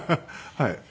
はい。